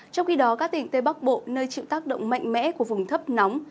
trong khi đó các tỉnh tây bắc bộ nơi chịu tác động mạnh mẽ của vùng thấp nóng